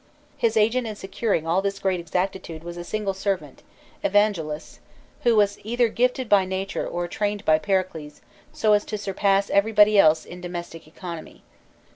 His agent in securing all this great exactitude was a single servant, Evangelus, who was either gifted by nature or trained by Pericles so as to surpass everybody else in domestic economy.